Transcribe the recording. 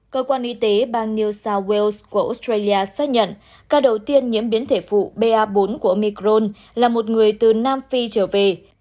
cơ quan y tế bang new south wales của australia xác nhận ca đầu tiên nhiễm biến thể phụ ba bốn của ông micron là một người từ nam phi trở về